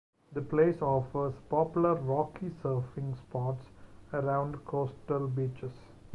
The place offers popular rocky surfing spots around coastal beaches.